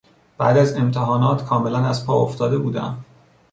بعد از امتحانات کاملا از پا افتاده بودم.